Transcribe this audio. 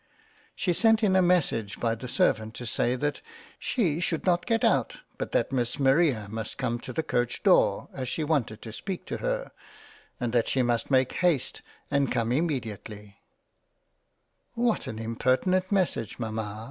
She sent in a message by the servant to say that " she should not get out but that Miss Maria must come to the Coach door, as she wanted to speak to her, and that she must make haste and come immedi ately —"" What an impertinent Message Mama